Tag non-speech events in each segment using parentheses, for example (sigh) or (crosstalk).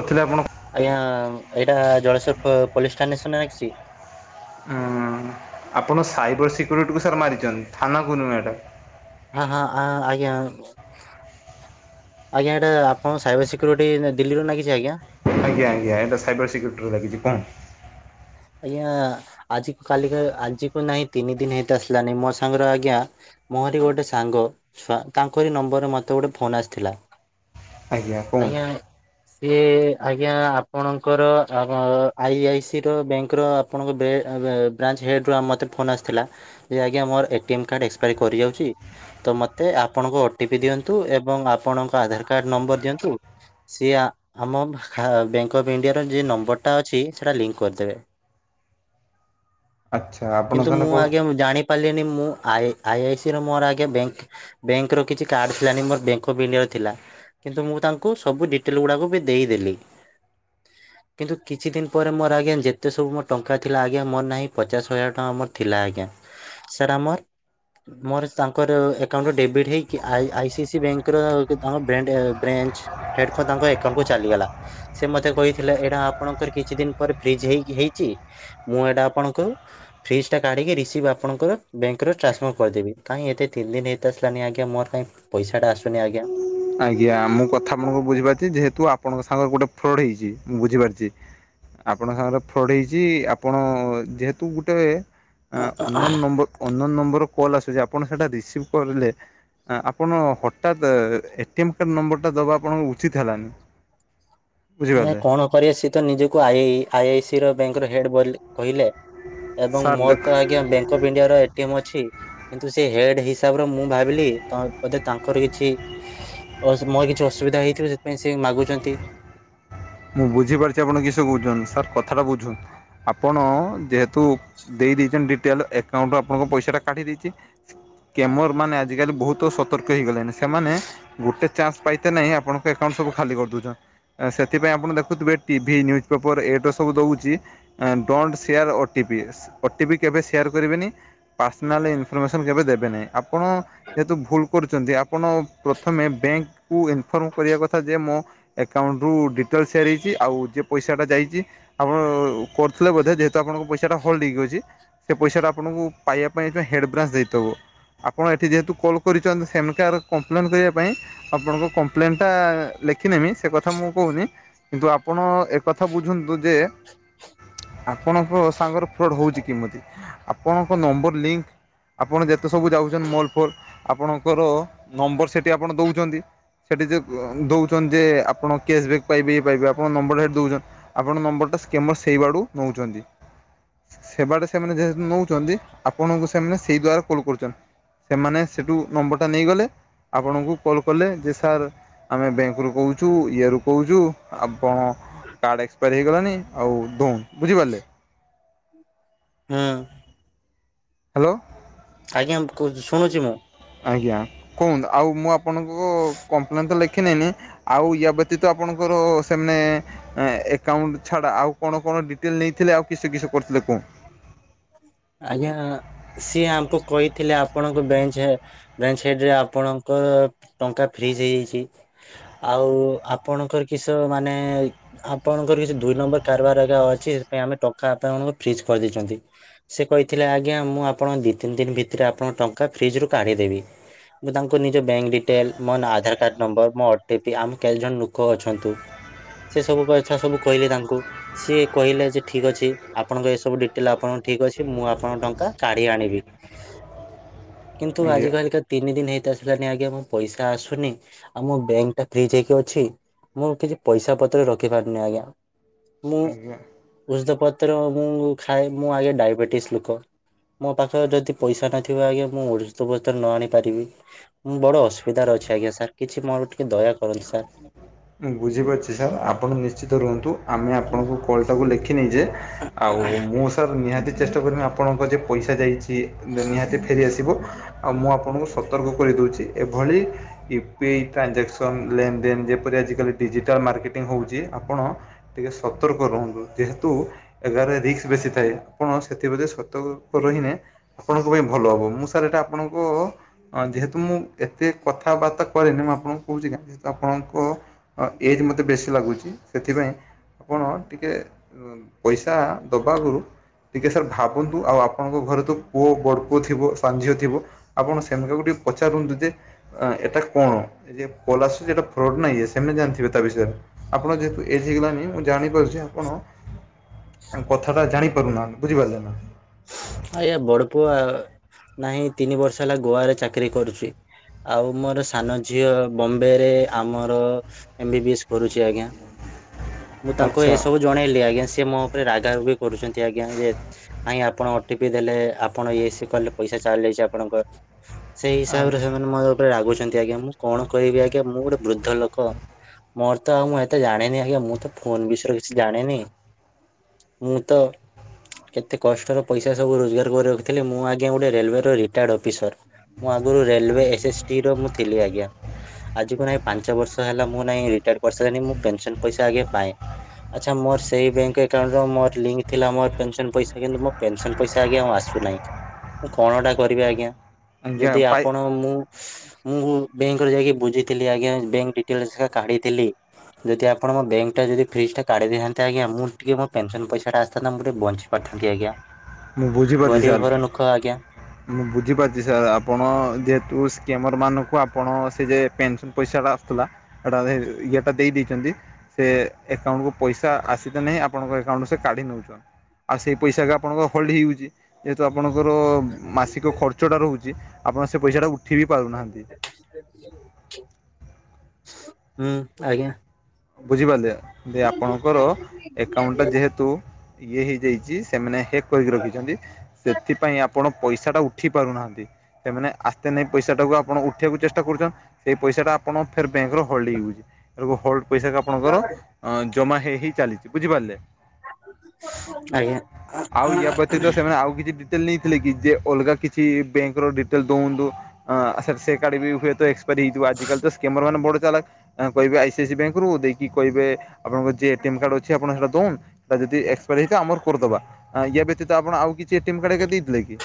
କରିଥିଲେ ଆପଣ ଆଜ୍ଞା! ଏଇଟା ଜଳେସ୍ୱର ପୋ ପୋଲିସ ଷ୍ଟନସୁନା ଆଇଚି? ଊଁ ଆପଣ ସାଇବର ସିକ୍ୟୁରିଟିକୁ ସାର୍ ମାରିଛନ୍ତି ଥାନାକୁ ନୁହେଁ ଏଟା ହଁ, ହଁ, ଆ -ଆଜ୍ଞା! ଆଜ୍ଞା! ଏଇଟା ଆପଣ ସାଇବର ସିକ୍ୟୁରିଟି ନା ଦିଲ୍ଲୀରୁ ନାଗିଚି ଆଜ୍ଞା? ଆଜ୍ଞା! ଆଜ୍ଞା ଏଇଟା ସାଇବର ସିକ୍ୟୁରିଟିରେ ଲାଗିଚି ତା ଆଜ୍ଞା! ଆଜି କାଲି କା ଆଜି କୁ ନାଇ ତିନି ଦିନି ହେଇତେ ଆସିଲାନି ମୋ ସାଙ୍ଗର ଆଜ୍ଞା ମୋହରି ଗୋଟେ ସାଙ୍ଗ ଛୁଆ ତାଙ୍କରି ନମ୍ବରରେ ମୋତେ ଗୋଟେ ଫୋନ୍ ଆସିଥିଲା। ଆଜ୍ଞା। ସିଏ ଆଜ୍ଞା ଆପଣଙ୍କର (unintelligible) ଆଇ ଆଇ ସି ତ ବ୍ୟାଙ୍କର ଆପଣଙ୍କ ବେ ଆ (unintelligible) ବ୍ରାଞ୍ଚ ହେଡ଼ ରୁ ଆ ମତେ ଫୋନ୍ ଆସଥିଲା। ଏ ଆଜ୍ଞା ମୋର ଏଟିଏମ୍ କାର୍ଡ଼ ଏକ୍ସପାୟାରି କରିଯାଉଚି ତ ମତେ ଆପଣଙ୍କ ଓଟିପି ଦିଅନ୍ତୁ ଏବଂ ଆପଣଙ୍କ ଆଧାର କାର୍ଡ଼ ନମ୍ବର ଦିଅନ୍ତୁ। ସିଏ ଆ ଆମ ବ ହା ବ୍ୟାଙ୍କ ଅଫ୍ ଇଣ୍ଡିଆର ଯେ ନମ୍ବରଟା ଅଛି ସେଟା ଲି କରିଦେବେ ଆଚ୍ଛା ଆପଣ କିନ୍ତୁ ତାହେଲେ ମୁଁ କହୁଛ ଆଜ୍ଞା ମୁଁ ଜାଣି ପାଲିନି ମୁଁ ଆଇ ଆଇ ଆଇ ସି ର ମୋର ଆଜ୍ଞା ବେଙ୍କ୍ ବେଙ୍କର କିଛି କାର୍ଡ ଥିଲାନି ମୋର ବ୍ୟାଙ୍କ ଅଫ୍ ଇଣ୍ଡିଆ ର ଥିଲା। କିନ୍ତୁ ମୁଁ ତାଙ୍କୁ ସବୁ ଡିଟେଲ୍ ଗୁଡ଼ାକୁ ବି ଦେଇଦେଲି। କିନ୍ତୁ କିଛି ଦିନି ପରେ ମୋ ଆଜ୍ଞା ଯେତେ ସବୁ ମୋ ଟଙ୍କା ଥିଲା ଆଜ୍ଞା ମୋର ନାଇଁ ପଚାଶ୍ ହଜାର ଟଙ୍କା ମୋର ଥିଲା ଆଜ୍ଞା। ସାର୍ ଆମର୍ ମୋରସ୍ ତାଙ୍କର ଏକାଉଣ୍ଟୁ ଡେବିଡି ହେଇକି ଆଇ ଆଇ ସି ସି ବ୍ୟାଙ୍କର (unintelligible) ବ୍ୟାଣ୍ଡେ ବ୍ରାଞ୍ଚ ହେଡକ ତାଙ୍କ ଏକାଉଣ୍ଟ କୁ ଚାଲିଗଲା ସେ ମତେ କହିଥିଲେ ଏଟା ଆପଣଙ୍କର କିଛି ଦିନ୍ ପରେ ଫ୍ରିଜ୍ ହେଇକି ହେଇଚି ମୁଁ ଏଟା ଆପଣଙ୍କୁ ଫ୍ରିଜ୍ ଟା କାଢ଼ିକି ରିସିଭ୍ ଆପଣଙ୍କର ବ୍ୟାଙ୍କର ଟ୍ରାନ୍ସଫରମ କରଦେବି କାଇଁ ଏତେ ତିନି ଦିନ ହେଇତ ଆସିଲାନି ଆଜ୍ଞା ମୋର କାଇଁ ପଇସା ଟା ଆସୁନି ଆଜ୍ଞା? ଆଜ୍ଞା ମୁଁ କଥା ଆପଣୁଙ୍କୁ ବୁଝି ପାରୁଚି ଯେହେତୁ ଆପଣଙ୍କ ସାଙ୍ଗର ଗୋଟେ ଫ୍ରଡ ହେଇଚି ମୁଁ ବୁଝିପାରୁଚି। ଆପଣଙ୍କ ସାଙ୍ଗରେ ଫ୍ରଡ୍ ହେଇଚି ଆପଣ ଯେହେତୁ ଗୁଟେ ଆଁ unknown number unknown number call ଆସୁଚି ଆପଣ ସେଟା ରିସିଭ୍ କରିଲେ ଆଁ ଆପଣ ହଟାତ୍ ଏ ଟିଏମ୍ କାର୍ଡ଼ ନମ୍ବରଟା ଦେବା ଆପଣ (unintelligible) ଉଚିତ ହେଲାନି। (unintelligible) ବୁଝିପାରିଲେ। କଣ କରିବେ ସିଏ ତ ନିଜକୁ ଆଇ ଆଇ ଆଇ ସି ର ବ୍ୟାଙ୍କ୍ ର ହେଡ ବୋଲି କହିଲେ ଏବଂ ସାର୍ ମୋର ଦେଖ ତ ଆଜ୍ଞା ବ୍ୟାଙ୍କ ଅଫ୍ ଇଣ୍ଡିଆର ଏଟି ଏମ୍ ଅଛି। କିନ୍ତୁ ସେ ହେଡ୍ ହିସାବର ମୁଁ ଭାବିଲି ତ ବୋଧେ ତାଙ୍କର କିଛି (unintelligible) ମୋଅ କିଛି ଅସୁବିଧା ହେଇଥିବ ସେଥପାଇଁ ସେ ମାଗୁଚନ୍ତି। ମୁଁ ବୁଝିପାରୁଚି ଆପଣ କିସ କହୁଚନ୍ ସାର୍ କଥାଟା ବୁଝ ଆପଣ ଯେହେ ତୁ ଦେଇ ଦେଇଚନ୍ ଡିଟେଲ୍ ଏକ୍ କାଉଁପା ଆପଣଙ୍କ ପଇସାଟା କାଟି ଦେଇଚି କେମର ମାନେ ଆଜିକାଲି ବହୁତ ସତର୍କ ହେଇଗଲେଣି। ସେମାନେ ଗୋଟେ ଚାଚ୍ସ୍ ପାଇତେ ନାଇଁ ଆପଣଙ୍କ ଏକାଉଣ୍ଟ୍ ସବୁ ଖାଲି କରିଦଉଚ ଆ ସେ ଥିପାଇଁ ଆପଣ ଦେଖୁତୁବେ ଟିଭି, ନ୍ୟୁଜ୍ ପେପର ଏଡର ସବୁ ଦଉଚି ଆଁ ଡଣ୍ଟ୍ ସେୟାର ଓଟିପି ସ୍ ଓଟିପି କେବେ ସେୟାର କରିବେନି। ପାର୍ସନାଲ୍ ଇନଫର୍ମେସନ୍ କେବେ ଦେବେ ନେଇଁ ଆପଣ ଯେହେତୁ ଭୁଲ୍ କରୁଚନ୍ତି ଆପଣ ପ୍ରଥମେ ବ୍ୟାଙ୍କ୍ କୁ ଇନଫର୍ମ କରିବା କଥା ଯେ ମୋ ଏକାଉଣ୍ଟୁ ଡି ତ ସେୟାର୍ ହେଇଚି ଆଉ ଯେ ପଇସାଟା ଯାଇଚି ଆପ (unintelligible) କରୁଥୁଲେ ବୋଧେ ଯେହେତୁ ଆପଣଙ୍କ ପଇସାଟା ହୋଲଡ୍ ହେଇକି ଅଚି ସେ ପଇସାଟା ଆପଣଙ୍କୁ ପାଇବା ପାଇଁ ତ ହେଡ୍ ବ୍ରାଞ୍ଚ୍ ଦେଇ ତବ। ଆପଣ ଏଠି ଯେହେତୁ କଲ୍ କରିଚନ୍ ସେନକା ଆଡୁ କମ୍ପ୍ଲେନ୍ ଦେଇଆ ପାଇଁ ଆପଣଙ୍କ କମ୍ପ୍ଲେନ୍ ଟା ଲେଖିନେମି ସେ କଥା ମୁଁ କୋଉନି। କିନ୍ତୁ ଆପଣ ଏକଥା ବୁଝନ୍ ଦୁ ଯେ ଆପଣଙ୍କ ସାଙ୍ଗର ଫ୍ରଡ ହଉଚି କିମିତି ଆପଣଙ୍କ ନମ୍ବର ଲିଙ୍କ୍ ଆପଣ ଯେତେ ସବୁ ଯାଉଚନ୍ ମଲ ଫଲ ଆପଣଙ୍କର ନମ୍ବର ସେଠି ଆପଣ ଦଉଚନ୍ତି। ସେଠି ଯେ ଅ ଦଉଚନ୍ ଯେ ଆପଣ କେସ୍ (unintelligible) ପାଇବେ ଇ ପାଇବେ ଆପଣ ନମ୍ବର (unintelligible) ଦଉଚନ୍ ଆପଣ ନମ୍ବରଟା ସ୍କେମର ସେଇ ୱାଡୁ ନଉଚନ୍ତି। ସେବାଟେ ସେମାନେ ଯେହେତୁ ନଉଚନ୍ତି ଆପଣଙ୍କୁ ସେମନେ ସେଇ ଦ୍ଵାର କଲ୍ କରୁଚନ୍। ସେମାନେ ସେଟୁ ନମ୍ବରଟା ନେଇଗଲେ ଆପଣଙ୍କୁ କଲ୍ କଲେ ଯେ ସାର୍ ଆମେ ବ୍ୟାଙ୍କରୁୁ କହୁଚୁ ଇୟା ରୁ କହୁଚୁ ଆପଣ କାର୍ଡ଼ ଏକ୍ସପାର୍ ହେଇଗ (unintelligible) ଣିି ଆଉ ଦୋନ୍ ବୁଝିପାରଲେ। ହୁଁ ହାଲୋ। ଆଜ୍ଞା କୁହୁ ଶୁଣୁଚି ମୁଁ। ଆଜ୍ଞା କୁହନ୍ତୁ ଆଉ ମୁଁ ଆପଣଙ୍କୁ କମ୍ପ୍ଲେନ୍ ତ ଲେଖିନେନି। ଆଉ ୟା ବ୍ୟତୀତ ଆପଣଙ୍କର ସେ ମନେ। ଏଁ ଏକାଉଣ୍ଟ ଛାଡା ଆଉ କଣ କଣ ଡିଟେଲ ନେଇଥିଲେ ଆଉ କିସ କିସ କରିଥିଲେ କୁହ। ଆଜ୍ଞା ସିଏ ଆମକୁ କହିଥିଲେ ଆପଣଙ୍କ ବ୍ୟାଙ୍କ ଚେ ବ୍ୟାଙ୍କ ସାଇଟ ରେ ଆପଣଙ୍କର ଟଙ୍କା ଫ୍ରିଜ ହେଇଯାଇଛି। ଆଉ ଆପଣଙ୍କର କିସ ମାନେ। ଆପଣଙ୍କର କିଛି ଦୁଇ ନମ୍ବର କାରବାର ଘରିକା ଅଛି ସେଥିପାଇଁ ଆମେ ଟଙ୍କା ଆପଣଙ୍କୁ ଫ୍ରିଜ୍ କରି ଦେଇଚନ୍ତି। ସେ କହିଥିଲେ ଆଜ୍ଞା ମୁଁ ଆପଣ ଦି ତିନ ଦିନ ଭିତରେ ଆପଣଙ୍କ ଟଙ୍କା ଫ୍ରିଜ୍ ରୁ କାଢ଼ିଦେବି। ମୁଁ ତାଙ୍କ ନିଜ ବ୍ୟାଙ୍କ ଡିଟେଲ ମୋନ ଆଧାର କାର୍ଡ ନମ୍ବର ମୋ ଓଟିପି ଆମ କେତେ ଜଣ ଲୁକ ଅଛନ୍ତୁ। ସେ ସବୁ ବାଛା ସବୁ କହିଲେ ତାଙ୍କୁ। ସିଏ କହିଲେ ଯେ ଠିକ ଅଛି ଆପଣଙ୍କ ଏସବୁ ଡିଟେଲ ଆପଣ। ଠିକ ଅଛି ମୁଁ ଆପଣଙ୍କ ଟଙ୍କା କାଢି ଆଣିବି କିନ୍ତୁ ଆଜି ଆଜ୍ଞା କାଲିକା ତିନି ଦିନ ହେଇତ ଆସିଲାନି ଆଜ୍ଞା ମୋ ପଇସା ଆସୁନି ଆଉ ମୋ ବ୍ୟାଙ୍କ ଟା ଫ୍ରିଜ ହେଇକି ଅଛି। ମୁଁ କିଛି ପଇସା ପତ୍ର ରଖିପାରୁନି ଆଜ୍ଞା। ମୁଁ ଆଜ୍ଞା ଉଷୁଦ ପତ୍ର ମୁଁ ଖାଏ ମୁଁ ଆଜ୍ଞା ଡାଇବେଟିସ ଲୁକ। ମୋ ପାଖରେ ଯଦି ପଇସା ନଥିବ ଆଜ୍ଞା ମୁଁ ଔଷଧ ପତ୍ର ନ ଆଣିପାରିବି। ମୁଁ ବଡ ଅସୁବିଧାରେ ଅଛି ଆଜ୍ଞା ସାର୍ କିଛି ମୋର ଟିକେ ଦୟା କରନ୍ତୁ ସାର୍। (inaudible) ମୁଁ ବୁଝିପାରୁଚି ସାର୍ ଆପଣ ନିଶ୍ଚିତ ରୁହନ୍ତୁ ଆମେ ଆପଣଙ୍କୁ। ଫଲ୍ ଟାକୁ ଲେଖି ନେଇଚେ ଆଉ ମୁଁ ସାର୍ ନିହାତି। ଚେଷ୍ଟା କରମି ଆପଣଙ୍କ ଯେ ପଇସା ଯାଇଛି ନିହାତି ଫେରିଆସିବ। ଆଉ ମୁଁ ଆପଣଙ୍କୁ ସତର୍କ କରିଦଉଚି ଏଭଳି। ୟୁପିଆଇ ଟ୍ରାଞ୍ଜାକ୍ସନ ଲେନ ଦେନ ଯେପରି ଆଜିକାଲି ଡିଜିଟାଲ ମାର୍କେଟିଙ୍ଗ ହଉଚି ଆପଣ। ଟିକେ ସତର୍କ ରୁହନ୍ତୁ ଯେହେତୁ। ଏଗାରେ ରିକ୍ସ ବେଶୀ ଥାଏ ଆପଣ ସେଥିପ୍ରତି ସତର୍କ ରହିନେ। ଆପଣଙ୍କ ପାଇଁ ଭଲ ହବ, ମୁଁ ସାର୍ ଏଟା ଆପଣଙ୍କୁ। ହଁ ଯେହେତୁ ମୁଁ ଏତେ କଥାବାର୍ତ୍ତା କରେନି, ମୁଁ ଆପଣଙ୍କୁ କହୁଛି କାହିଁ ଯେହେତୁ ଆପଣଙ୍କୁ। ଅ ଏଜ୍ ମୋତେ ବେଶୀ ଲାଗୁଛି, ସେଥିପାଇଁ ଆପଣ ଟିକେ। ପଇସା ଦବା ଆଗରୁ। ଟିକେ ସାର୍ ଭାବନ୍ତୁ ଆଉ ଆପଣଙ୍କ ଘରେ ତ ପୁଅ ବଡ଼ ପୁଅ ଥିବ ସାନ ଝିଅ ଥିବ। ଆପଣ ସେମାନକୁ ଟିକେ ପଚାରନ୍ତୁ ଯେ ଏଟା କଣ, ଏ କଲ ଆସୁଛି ଏଟା ଫ୍ରଡ ନା ଇଏ ସେ। ସେମାନେ ଜାଣିଥିବେ ତା ବିଷୟରେ, ଆପଣ ଯେହେତୁ ଏଜ ହେଇଗଲାନି ମୁଁ ଜାଣିପାରୁଛି। ଯେ ଆପଣ କଥା ଟା ଜାଣି ପାରୁନାହାନ୍ତି, ବୁଝିପାରିଲେ ନା। ଆଜ୍ଞା ବଡପୁଅ ନାହିଁ ତିନି ବର୍ଷ ହେଲା ଗୋଆରେ ଚାକିରୀ କରୁଛି। ଆଉ ମୋର ସାନ ଝିଅ ବମ୍ବେ ରେ ଆମର। ଏମ ବି ବି ଏସ୍ କରୁଛି ଆଜ୍ଞା ମୁଁ ତାଙ୍କୁ ଆଚ୍ଛା ଏସବୁ। ଜଣେଇଲି ଆଜ୍ଞା ସିଏ ମୋ ଉପରେ ରାଗା ରୁଗି କରୁଛନ୍ତି ଆଜ୍ଞା ଯେ କାଇଁ ଆପଣ। ଟିପି ଦେଲେ ଆପଣ ଇଏ ସିଏ କଲେ ପଇସା ଚାଲି ଯାଇଛି ଆପଣଙ୍କର ସେଇ ହିସାବ ରେ ଆଜ୍ଞା ସେମାନେ ମୋର। ରେ ରାଗୁଛନ୍ତି ଆଜ୍ଞା ମୁଁ କଣ କହିବି ଆଜ୍ଞା, ମୁଁ ଗୋଟେ ବୃଦ୍ଧ ଲୋକ। ମୋର ତ ଆଉ ମୁଁ ଏତେ ଜାଣିନି ଆଜ୍ଞା, ମୁଁ ତ ଫୋନ ବିଷୟରେ କିଛି ଜାଣିନି। ମୁଁ ତ, କେତେ କଷ୍ଟରେ। ପଇସା ସବୁ ରୋଜଗାର କରି ରଖିଥିଲି। ମୁଁ ଆଜ୍ଞା ଗୋଟେ ରେଲୱେ ର ରିଟାର୍ଡ ଅଫିସର। ମୁଁ ଆଗରୁ ରେଲୱେ ଏସ୍ ଏସ୍ ଟି ର ମୁଁ ଥିଲି ଆଜ୍ଞା। ଆଜି କୁ ନାଇଁ ପାଞ୍ଚ ବର୍ଷ ହେଲା ମୁଁ ନାଇଁ ରିଟାୟାଡ କରିସାଇଲିଣି ମୁଁ ପେନସନ ପଇସା ଆଜ୍ଞା ପାଏ। ଆଚ୍ଛା ମୋର ସେଇ ବ୍ୟାଙ୍କ ଏକାଉଣ୍ଟ ରୁ ମୋର ଲିଙ୍କ୍ ଥିଲା ମୋର ପେନସନ ପଇସା କିନ୍ତୁ ମୋ। ପେନସନ ପଇସା ଆଜ୍ଞା ଆଉ ଆସୁନାହିଁ, ମୁଁ କଣଟା କରିବି ଆଜ୍ଞା ଆଜ୍ଞା ଯଦି ପାଇ ଆପଣ ମୁଁ। ମୁଁ ବେଙ୍କରେ ଯାଇକି ବୁଝିଥିଲି ଆଜ୍ଞା ବେଙ୍କ ଡିଟେଲସ୍‌ କାଢିଥିଲି। ଯଦି ଆପଣ ମୋ ବେଙ୍କ ଟା ଯଦି ଫ୍ରିଜ ଟା କାଢି ଦେଇ ଥାନ୍ତେ ଆଜ୍ଞ ମୁଁ ଟିକେ ମୋ ପେନ୍‌ସନ ପଇସା ଟା ଆସିଥାନ୍ତି। ମୁଁ ଟିକେ ବଞ୍ଚି। ପାରିଥାନ୍ତି ଆଜ୍ଞା। ମୁଁ ବୁଝିପାରୁଚି ଗରିବ ସାର୍। ଘର ନୁଖ ଆଜ୍ଞା। ମୁଁ ବୁଝିପାରୁଚି ସାର୍ ଆପଣ ଯେହେତୁ ସ୍କେମର ମାନଙ୍କୁ ଆପଣ ସେ ଯେ ପେନସନ୍ ପଇସା ଟା ଆସୁଥିଲା ହେଟା ଇଏଟା ଦେଇ ଦେଇଚନ୍ତି। ସେ ଏକାଉଣ୍ଟକୁ ପଇସା ଆସିତ ନାଇ ଆପଣଙ୍କ ଏକାଉଣ୍ଟରୁ ସେ କାଢ଼ି ନଉଛନ୍ତି। ଆଉ ସେଇ ପଇସା ବି ଆପଣଙ୍କ ଫଲ୍ଟ ହେଇଯାଉଚି ଯେହେତୁ ଆପଣଙ୍କର ମାସିକ ଖର୍ଚ୍ଚଟା ରହୁଚି ଆପଣ ସେ ପଇସାଟା କୁ ଉ ଉଠିବି ପାରୁନାହାନ୍ତି। ହୁଁ ଆଜ୍ଞା। ବୁଝିପାରିଲେ ଯେ ଆପଣଙ୍କର ଏକାଉଣ୍ଟ ଟା ଯେହେତୁ ଇଏ ହେଇଯାଇଚି ସେମାନେ ହେକ୍ କରିକି ରଖିଛନ୍ତି। ସେଥିପାଇଁ ଆପଣ ପଇସା ଟା ଉଠି ପାରୁନାହାନ୍ତି। ସେମାନେ ଆସ୍ତେ ନେଇ ପଇସା ଟାକୁ ଆପଣ ଉଠେଇବାକୁ ଚେଷ୍ଟା କରୁଛନ ସେଇ ପଇସାଟା ଆପଣ ଫିର ବ୍ୟାଙ୍କରୁ ହୋଲ୍ଡ ହେଇଯାଉଚି ତେଣୁ ହୋଲ୍ଡ ପଇସା ବି ଆପଣଙ୍କର ଅ ଜମା ହେଇ ହେଇ ଚାଲିଚି ବୁଝିପାରିଲେ ଆଜ୍ଞା। ଆଉ ୟା ବ୍ୟତୀତ ସେମାନେ ଆଉ କିଛି ଦି ତିଲ୍ ନେଇଥିଲେ କି ଯେ ଅଲଗା କିଛି ବ୍ୟାଙ୍କ ର ଡିଟେଲ ଦଉନ୍ଦୁ ଆସେସେ ଏକାଡେମି ହୁଏତ ଏକ୍ସପାରି ହେଇଥିବ ଆଜିକାଲି ତ ସ୍କେମର ମାନେ ବଡ ଚାଲାକ୍। ଆଁ କହିବେ ଆଇ ସି ଆଇ ସି ବ୍ୟାଙ୍କରୁ ଦେଇକି କହିବେ ଆପଣଙ୍କ ଯେ ଏଟିଏମ୍ କାଡ୍‌ ଅଛି ଆପଣ ହେଟା ଦୋଉନ୍‌ ତା ଯଦି ଏକ୍ସପାର ହେଇଥିବ ଆମର କରିଦେବା ୟା ବ୍ୟତୀତ ଆପଣ ଆଉ କିଛି ଏଟିଏମ୍ କାର୍ଡ ଏକା ଦେଇଥିଲେ କି?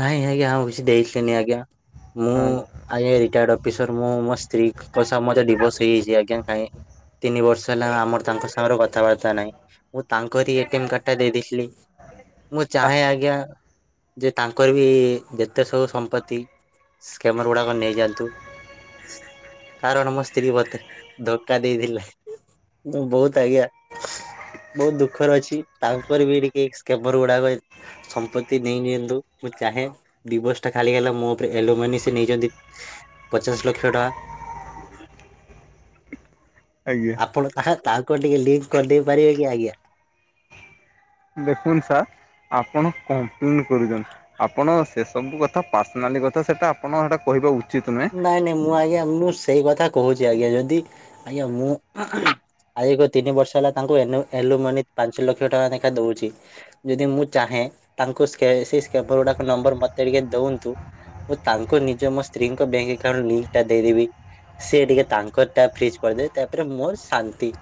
ନାଇଁ ଆଜ୍ଞା ଆଉ କିଛି ଦେଇଥିନି ଆଜ୍ଞା ମୁଁ ଆଜ୍ଞା ରିଟାୟାର୍ଡ ଅଫିସର ମୁଁ ମୋ ସ୍ତ୍ରୀ ଙ୍କ ସହ ମୋର ଡିଭୋର୍ସ ହେଇଯାଇଛି ଆଜ୍ଞା କାଇଁ ତିନି ବର୍ଷ ହେଲା ଆମର ତାଙ୍କ ସାଙ୍ଗରେ କଥାବାର୍ତ୍ତା ନାଇ। ମୁଁ ତାଙ୍କରି ଏଟି ଏମ୍ କାର୍ଡ ଟା ଦେଇ ଦେଇଥିଲି ମୁଁ ଚାହେଁ ଆଜ୍ଞା ଯେ ତାଙ୍କର ବି ଯେତେ ସବୁ ସମ୍ପତ୍ତି ସ୍କେମର ଗୁଡାକ ନେଇଯାଆନ୍ତୁ। କାରଣ ମୋ ସ୍ତ୍ରୀ ମୋତେ ଧୋକା ଦେଇଦେଲେ। ମୁଁ ବୋହୁତ ଆଜ୍ଞା ବହୁତ ଦୁଃଖର ଅଛି ତାଙ୍କର ବି ଟିକେ ସ୍କାମର ଗୁଡାକ ସମ୍ପତି ତି ନେଇ ନିିଅନ୍ତୁ ମୁଁ ଚାହେଁ ଡିବୋସ ଟା ଖାଲି ହେଲା ମୋ ଉପରେ ଆଲୁମିନି ସେ ନେଇଚନ୍ତି ପଚାଶ ଲକ୍ଷ ଟଙ୍କା। ଆଗୀ ଆପଣ ଆହା ତାଙ୍କ ଟିକେ ଲିଙ୍କ କରିଦେଇ ପାରିବେ କି ଆଜ୍ଞା ଦେଖନ୍ତୁ ସାର୍ ଆପଣ କମ୍ପ୍ଲେନ୍ କରୁଚନ୍ତି। ଆପଣ ସେ ସବୁ କଥା ପାର୍ସନାଲି କଥା ସେଟା ଆପଣ ସେଟା କହିବା ଉଚିତ ନୁହେ। ନାଇଁ ନାଇଁ ମୁଁ ଆଜ୍ଞା ମୁଁ ସେଇ କଥା କହୁଚି ଆଜ୍ଞା ଯଦି ଆଜ୍ଞା ମୁଁ ଆଜିକୁ ତିନି ବର୍ଷ ହେଲା ତାଙ୍କୁୁ ଏନୋ ଏଲୁମୋନିକ ପାଞ୍ଚ ଲକ୍ଷ ଟଙ୍କା ନେଖା ଦଉଚି। ଯଦି ମୁଁ ଚାହେଁ ତାଙ୍କୁ ସ୍କେ ସେ ସ୍କେବର ଗୁଡା ନମ୍ବର ମତେ ଟିକେ ଦୋଅନ୍ତୁ ମୁଁ ତାଙ୍କୁ ନିଜେ ମୋ ସ୍ତ୍ରୀଙ୍କ ବେଙ୍କ ଏକଉଣ୍ଟ ଲିଙ୍କ ଟା ଦେଇଦେବି। ସେ ଟିକେ ତାଙ୍କର ଟା ଫ୍ରିଜ୍ କରିଦେବେ ତାପରେ ମୋର ଶାନ୍ତି।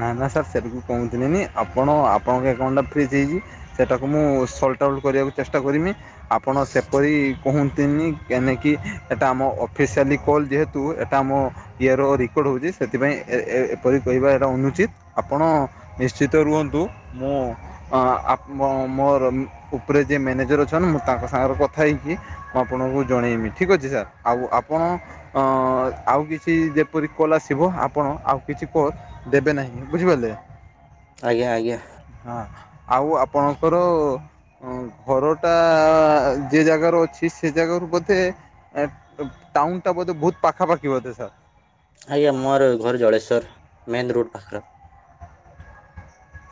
ନା ନା ସାର୍ ସେବିକୁ କୁହତିନିନି ଆପଣ ଆପଣଙ୍କ ଏକାଉଣ୍ଟଟା ଫ୍ରିଜ୍ ହେଇଚି ସେଟାକୁ ମୁଁ ସଲଟ ଆଉଟ୍ କରିବାକୁ ଚେଷ୍ଟା କରିମି। ଆପଣ ସେପରି କୁହନ୍ତିନି କେହିଁନାକି ଏଟା ଆମ ଅଫିସିଆଲି କଲ୍ ଯେହେତୁ ଏ ତା ଆମ ଇଏର ରେକର୍ଡ଼ ହେଉଚି ସେଥିପାଇଁ ଏ ଏ ଏପରି କହିବା ଏଟା ଅନୁଚିତ ଆପଣ ନିଶ୍ଚିତ ରୁହନ୍ତୁ ମୁଁ ଅ ଆପ ମୋ ମୋର ଉପରେ ଯିଏ ମ୍ୟାନେଜର୍ ଅଛନ୍ତିନ୍ ମୁଁ ତାଙ୍କ ସାଙ୍ଗରେ କଥା ହେଇକି ମୁଁ ଆପଣଙ୍କୁ ଜଣେଇବି ଠିକ୍ ଅଛି ସାର୍। ଆଉ ଆପଣ ଅ ଆଉ କିଛି ଯେପରି କଲ ଆସିବ ଆପଣ ଆଉ କିଛି କଲ୍ ଦେବେ ନାହିଁ ବୁଝିପାରିଲେ। ଆଜ୍ଞା ଆଜ୍ଞା। ହଁ ଆଉ ଆପଣଙ୍କର ହଁ ଘରଟା ଯେ ଜାଗାଗାର ଅଛି ସେ ଜାଗାରୁ ବୋଧେ ଏ ଟାଉନ ଟା ବୋଧେ ବହୁତ ପାଖାପାଖି ବୋଧେ ସାର୍? ଆଜ୍ଞା ମୋର ଘର ଜଳେଶ୍ୱର ମେନ୍ ରୋଡ ପାଖର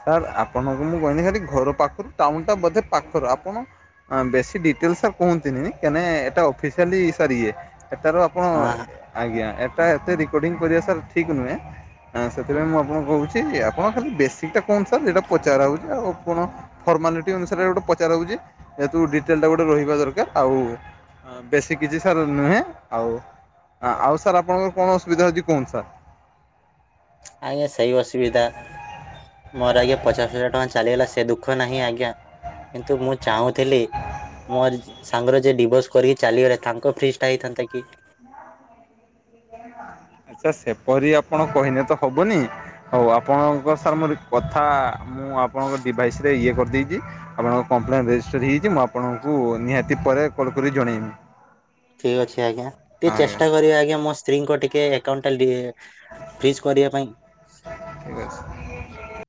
ସାର୍ ଆପଣଙ୍କୁ ମୁଁ କହିନି ଖାଲି ଘର ପାଖରୁ ଟାଉନ ଟା ବୋଧେ ପାଖରୁ ଆପଣ ବେଶୀ ଡିଟେଲ ସାର୍ କୁହନ୍ତିନି କାଇଁନା ଏଟା ଅଫିସିଆଲି ସୋରି ଏଟାର ହଁ ଆଜ୍ଞା ଏଟା ଏତେ ରେକର୍ଡିଂ କରିବା ସାର୍ ଠିକ୍ ନୁହେଁ। ହ ସେଥିପାଇଁ ମୁଁ ଆପଣଙ୍କୁ କହୁଚି ଆପଣ ଖାଲି ବେସିକ ଟା କୁହନ୍ତୁ ସାର୍ ଯଟା ପଚାର ହଉଚି ଆଉ କଣ ଫର୍ମାଲିଟି ଅନୁସାରେ ଗୋଟେ ପଚାର ହଉଚି ଯେହେତୁ ଡିଟେଲ୍ଟା ଗୋଟେ ରହିବା ଦରକାର ଆଉ ହ ବେଶୀ କିଛି ସାର୍ ନୁହେଁ ଆଉ ଆଉ ସାର୍ ଆପଣଙ୍କର କଣ ଅସୁବିଧା ହଉଚି କୁହନ୍ତୁ ସାର୍। ଆଜ୍ଞା ସେଇ ଅସୁବିଧା। ମୋର ଆଜ୍ଞା ପଚାଶ ହଜାର ଟଙ୍କା ଚାଲିଗଲା ସେ ଦୁଃଖ ନାହିଁ ଆଜ୍ଞା। କିନ୍ତୁ ମୁଁ ଚାହୁଁଥିଲି ମୋର ସାଙ୍ଗରେ ଯ ଡିଭୋର୍ସ କରିକି ଚାଲିଗଲେ ତାଙ୍କ ଫ୍ରିଜ୍ ଟା ହେଇଥାନ୍ତା କି? (inaudible) ଆଚ୍ଛା ସେପରି ଆପଣ କହିଲେ ତ ହବନି। ହଉ ଆପଣଙ୍କ ସାର୍ ମୋର ରି ତଥା ମୁଁ ଆପଣଙ୍କ ଡିଭାଇସ ରେ ଇଏ କରିଦେଇଚି। ଆପଣଙ୍କ କମ୍ପ୍ଲେନ୍ ରେଜିଷ୍ଟର ହେଇଚି। ମୁଁ ଆପଣଙ୍କୁ ନିହାତି ପରେ କଲ୍ କରି ଜଣେଇବି। ଠିକ୍ ଅଛି ଆଜ୍ଞା ଟିକେ ଆଜ୍ଞା ଚେଷ୍ଟା କରିବ ଆଜ୍ଞା ମସ୍ତେ ସ୍ତ୍ରୀଙ୍କ ଟିକେ ଏକାଉଣ୍ଟ ଟା ଲି ଫ୍ରିଜ କରିବା ପାଇଁ ଠିକ ଅଛି।